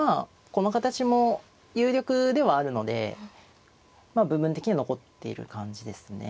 この形も有力ではあるので部分的には残っている感じですね。